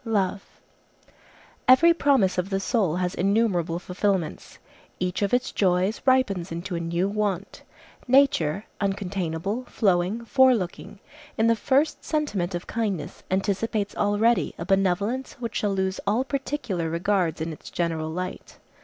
LOVE Every promise of the soul has innumerable fulfilments; each of its joys ripens into a new want. Nature, uncontainable, flowing, forelooking, in the first sentiment of kindness anticipates already a benevolence which shall lose all particular regards in its general light.